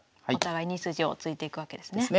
お互い２筋を突いていくわけですね。